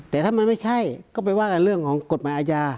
แต่ถ้ามันไม่ใช่ก็ไปว่ากันเรื่องของกฎหมายอาญา